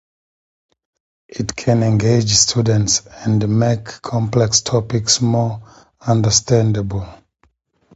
It can engage students and make complex topics more understandable.